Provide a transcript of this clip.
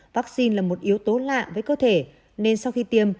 vaccine là một yếu tố lạ với cơ thể nên sau khi tiêm